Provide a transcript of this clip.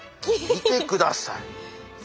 見てください。